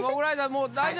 もう大丈夫？